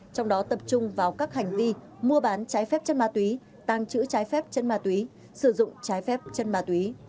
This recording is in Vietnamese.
trong đó tập trung vào các hành vi mua bán trái phép chất ma túy tăng chữ trái phép chân ma túy sử dụng trái phép chân ma túy